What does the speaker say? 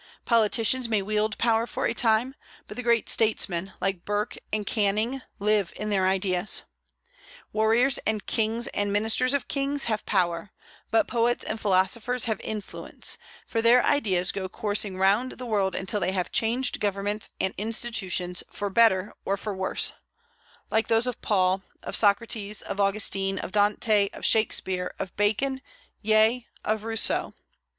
Politicians may wield power for a time; but the great statesmen, like Burke and Canning, live in their ideas. Warriors and kings, and ministers of kings, have power; but poets and philosophers have influence, for their ideas go coursing round the world until they have changed governments and institutions for better or for worse, like those of Paul, of Socrates, of Augustine, of Dante, of Shakspeare, of Bacon, yea, of Rousseau.